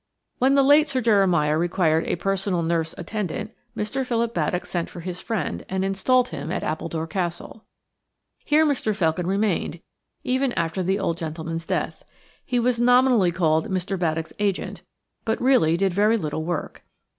When the late Sir Jeremiah required a personal nurse attendant Mr. Philip Baddock sent for his friend and installed him at Appledore Castle. Here Mr. Felkin remained, even after the old gentleman's death. He was nominally called Mr. Baddock's agent, but really did very little work.